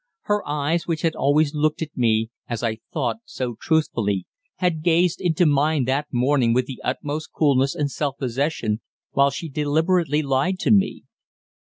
Her eyes, which had always looked at me, as I thought, so truthfully, had gazed into mine that morning with the utmost coolness and self possession while she deliberately lied to me.